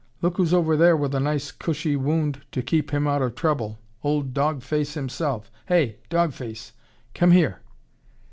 Look who's over there with a nice cushy wound to keep him out of trouble. Old Dog Face himself. Hey! Dog Face ... Come here!"